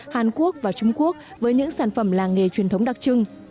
hàn quốc và trung quốc với những sản phẩm làng nghề truyền thống đặc trưng